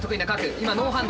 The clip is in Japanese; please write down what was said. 今ノーハンド。